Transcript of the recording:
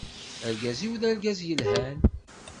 Argaz-iw d argaz yelhan.